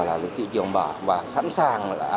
là thị trường và sẵn sàng